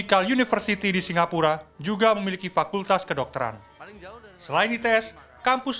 sekolah teknologi universiti di singapura juga memiliki fakultas kedokteran selain its kampus